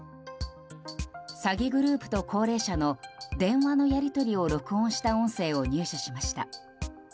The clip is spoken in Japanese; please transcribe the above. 詐欺グループと高齢者の電話のやり取りを録音した音声を入手しました。